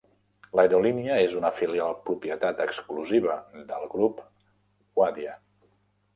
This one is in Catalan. L'aerolínia és una filial propietat exclusiva del Grup Wadia.